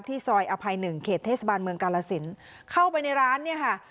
ซอยอภัยหนึ่งเขตเทศบาลเมืองกาลสินเข้าไปในร้านเนี่ยค่ะ